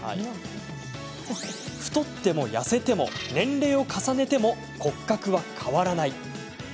太っても痩せても年齢を重ねても骨格は変わらない。